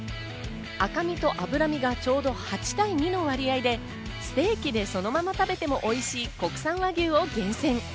赤身と脂身がちょうど８対２の割合でステーキでそのまま食べてもおいしい国産和牛を厳選。